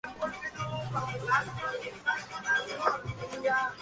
nosotros partiésemos